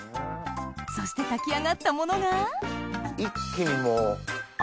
そして炊き上がったものがねぇ！